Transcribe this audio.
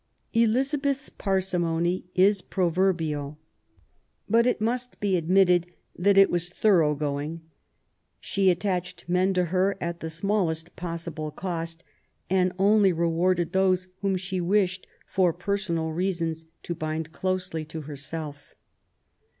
Elizabeth's parsimony is proverbial ; but it must be admitted that it was thorough going. She at tached men to her at the smallest possible cost, and only rewarded those whom she wished for personal reasons to bind closely to herself.